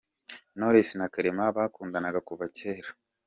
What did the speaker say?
Knowless na Clement bakundanaga kuva cyera.